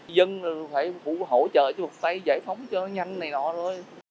dân phải hỗ trợ cho một tay giải phóng cho nhanh này nọ thôi